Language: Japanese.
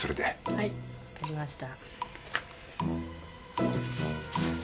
はいわかりました。